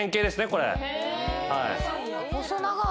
・細長い。